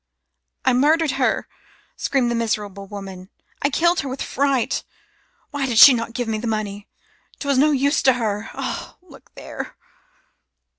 "I murdered her," screamed the miserable woman, "I killed her with fright. Why did she not give me the money? 'Twas no use to her. Ah! Look there!"